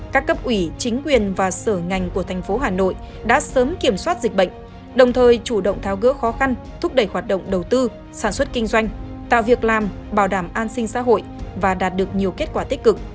các cấp ủy chính quyền và sở ngành của thành phố hà nội đã sớm kiểm soát dịch bệnh đồng thời chủ động tháo gỡ khó khăn thúc đẩy hoạt động đầu tư sản xuất kinh doanh tạo việc làm bảo đảm an sinh xã hội và đạt được nhiều kết quả tích cực